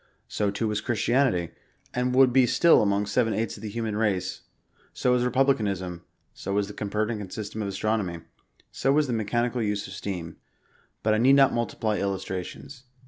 So too was Christianity, and would be still among seven eighths of the human race, — so was republicanism, so was the Copernican system of astronomy, so was the mechanical use of steam; — ^but I need not mukiply illustrations.